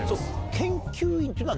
研究員というのは。